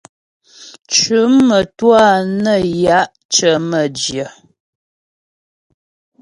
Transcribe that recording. Tʉ̌m mə́twâ nə́ ya' cə̀ mə́jyə.